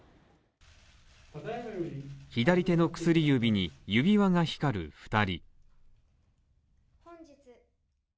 左手の薬指に指輪が光る２人。